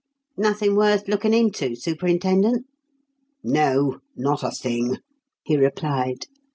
"Nothing worth looking into, superintendent?" "No not a thing!" he replied.